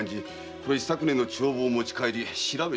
この一昨年の帳簿を持ち帰り調べていると？